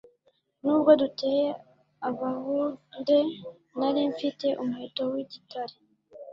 N'ubwo duteye abahunde, nari mfite umuheto w'igitare